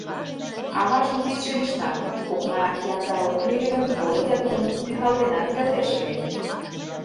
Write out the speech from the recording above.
Аважын кидше лишнак, окна янда ок лий ыле гын, Володя тудым тӱкалтенат кертеш ыле...